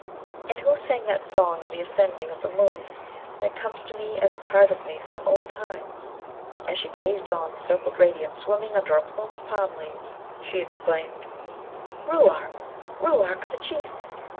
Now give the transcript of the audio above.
And who sang that song of the ascending of the moon, that comes to me as a part of me from old times?' As she gazed on the circled radiance swimming under a plume of palm leaves, she exclaimed, 'Ruark! Ruark the Chief!'